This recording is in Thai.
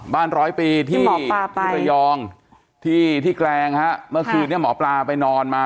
บ้านร้อยปีที่ที่หมอปลาไปที่ระยองที่ที่แกลงฮะเมื่อคืนนี้หมอปลาไปนอนมา